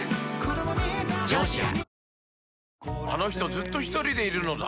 ずっとひとりでいるのだ